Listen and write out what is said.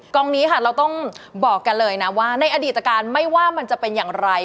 กองนี้ค่ะเราต้องบอกกันเลยนะว่าในอดีตการไม่ว่ามันจะเป็นอย่างไร